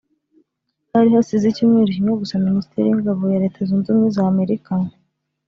Hari hasize icyumweru kimwe gusa Minisiteri y'Ingabo ya Leta Zunze Ubumwe za Amerika